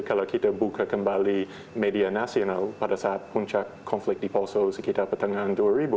kalau kita buka kembali media nasional pada saat puncak konflik di poso sekitar pertengahan dua ribu